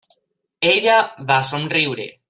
Ella va somriure.